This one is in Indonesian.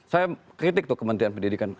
saya kritik tuh kementerian pendidikan